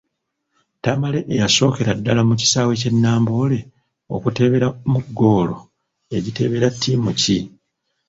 Tamale eyasookera ddala mu kisaawe kye Namboole okuteeberamu ggoolo yagiteebera ttiimu ki?